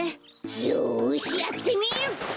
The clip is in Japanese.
よしやってみる！